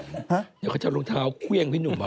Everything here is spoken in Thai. นี่เป็นกระเช่ารองเท้าเครื่องพี่หนุ่มเปล่า